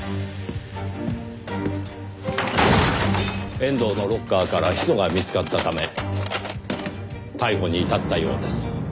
遠藤のロッカーからヒ素が見つかったため逮捕に至ったようです。